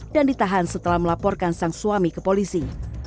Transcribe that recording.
dan ditahan setelah melaporkan sang suami ke polisi